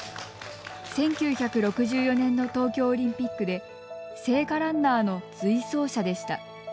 １９６４年の東京オリンピックで聖火ランナーの随走者でした。